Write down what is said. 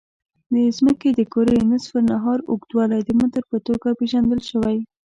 د ځمکې د کرې نصف النهار اوږدوالی د متر په توګه پېژندل شوی.